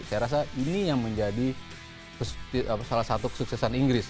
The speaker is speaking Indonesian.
saya rasa ini yang menjadi salah satu kesuksesan inggris